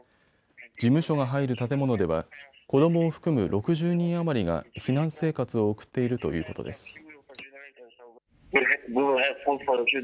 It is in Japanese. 事務所が入る建物では子どもを含む６０人余りが避難生活を送っているということです。